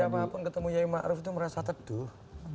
siapapun ketemu yayu ma'ruf tuh merasa teduh